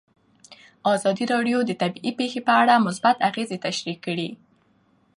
ازادي راډیو د طبیعي پېښې په اړه مثبت اغېزې تشریح کړي.